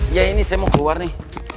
ya ini saya mau keluar nih